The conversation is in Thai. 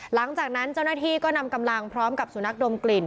หลังจากนั้นเจ้าหน้าที่ก็นำกำลังพร้อมกับสุนัขดมกลิ่น